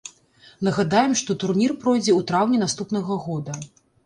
Нагадаем, што турнір пройдзе ў траўні наступнага года.